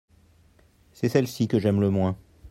c'est celle-ci que j'aime le moins.